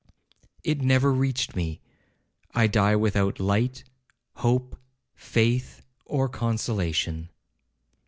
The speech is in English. It never reached me—I die without light, hope, faith, or consolation.'